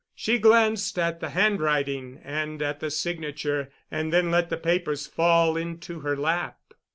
She glanced at the handwriting and at the signature, and then let the papers fall into her lap.